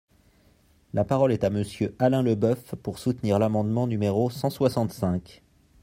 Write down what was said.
La parole est à Monsieur Alain Leboeuf, pour soutenir l’amendement numéro cent soixante-cinq.